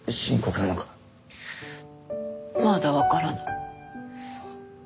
まだわからない。